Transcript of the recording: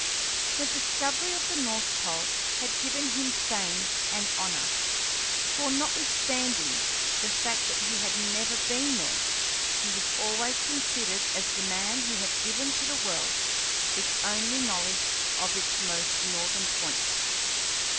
The discovery of the north pole had given him fame and honor; for, notwithstanding the fact that he had never been there, he was always considered as the man who had given to the world its only knowledge of its most northern point.